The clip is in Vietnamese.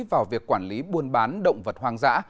vào việc quản lý buôn bán động vật hoang dã